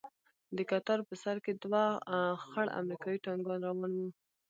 د کتار په سر کښې دوه خړ امريکايي ټانگان روان وو.